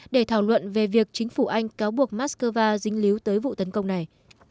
để thảo luận về việc chính phủ anh cáo buộc moscow dính líu tới vụ tấn công này